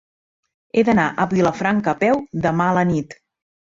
He d'anar a Vilafranca a peu demà a la nit.